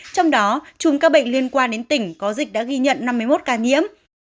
trong đó trùm ca bệnh liên quan đến tỉnh có dịch đã ghi nhận năm mươi một ca nhiễm